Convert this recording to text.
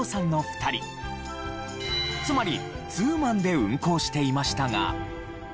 つまりツーマンで運行していましたが。